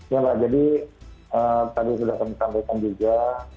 ya mbak jadi tadi sudah kami sampaikan juga